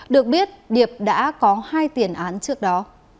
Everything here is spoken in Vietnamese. được biết điệp đã có hai tiền án trước đó